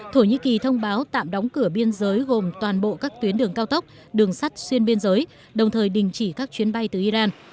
thổ nhĩ kỳ thông báo tạm đóng cửa biên giới gồm toàn bộ các tuyến đường cao tốc đường sắt xuyên biên giới đồng thời đình chỉ các chuyến bay từ iran